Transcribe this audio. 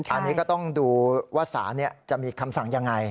อันนี้ก็ต้องดูว่าสามรัฐธรรมนูญจะมีคำสั่งยังไง